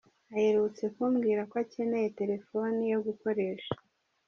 Aherutse kumbwira ko akeneye telefoni yo gukoresha .